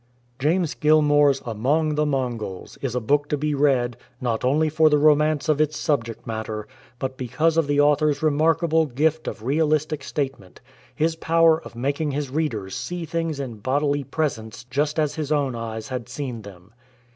James Gilmour'*s Among the Mongok is a book to be read, not only for the romance of its subject matter, but because of the author's remarkable gift of realistic state ment — his power of making his readers see things in bodily presence just as his own eyes had seen them.